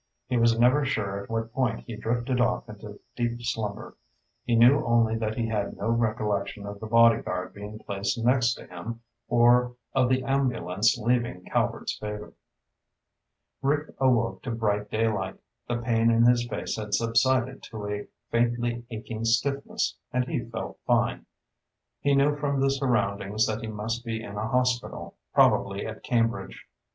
He was never sure at what point he drifted off into deep slumber. He knew only that he had no recollection of the bodyguard being placed next to him or of the ambulance leaving Calvert's Favor. Rick awoke to bright daylight. The pain in his face had subsided to a faintly aching stiffness and he felt fine. He knew from the surroundings that he must be in a hospital, probably at Cambridge.